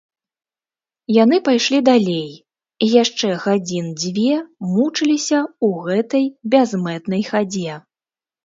Яны пайшлі далей і яшчэ гадзін дзве мучыліся ў гэтай бязмэтнай хадзе.